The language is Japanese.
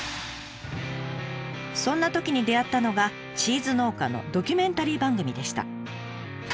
そんなときに出会ったのがチーズ農家のドキュメンタリー番組でした。